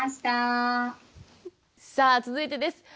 さあ続いてです